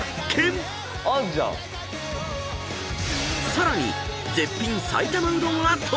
［さらに］